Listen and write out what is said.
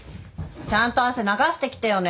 ちゃんと汗流してきてよね。